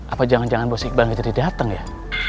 apa jangan jangan bos iqbal ngedit dateng ya